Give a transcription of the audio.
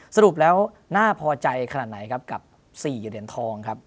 สรุปแล้วน่าพอใจขนาดไหนครับกับ๔เหรียญทองครับ